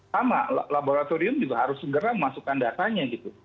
sama laboratorium juga harus segera memasukkan datanya gitu